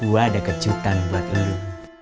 gua ada kejutan buat lu